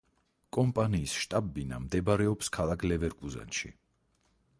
კომპანიის შტაბ-ბინა მდებარეობს ქალაქ ლევერკუზენში.